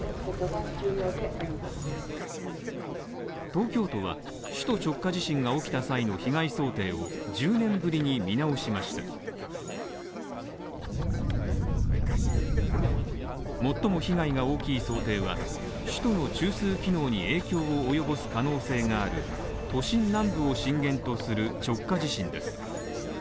東京都は、首都直下地震が起きた際の被害想定を１０年ぶりに見直しました最も被害が大きい想定は首都の中枢機能に影響を及ぼす可能性がある都心南部を震源とする直下地震です。